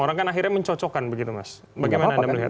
orang kan akhirnya mencocokkan begitu mas bagaimana anda melihat